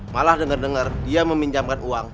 malah dengar dengar dia meminjamkan uang